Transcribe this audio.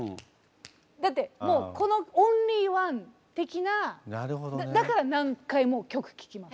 だってもうこのオンリーワン的なだから何回も曲聴きます。